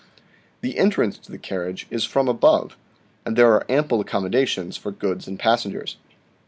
The entrance to the carriage is from above, and there are ample accommodations for goods and passengers.